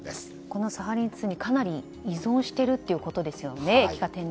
このサハリン２に、かなり依存しているということですね